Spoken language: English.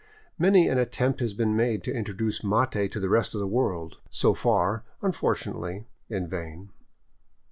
Many an attempt has been made to introduce mate to the rest of the world, so far, unfortunately, in vain.